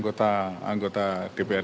dia pengaruhnya besar banget